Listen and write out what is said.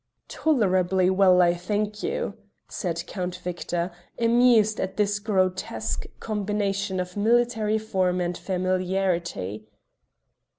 "Tolerably well, I thank you," said Count Victor, amused at this grotesque combination of military form and familiarity.